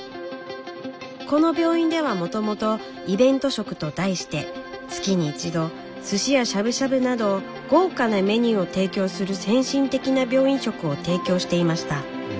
この病院ではもともと「イベント食」と題して月に１度寿司やしゃぶしゃぶなど豪華なメニューを提供する先進的な病院食を提供していました。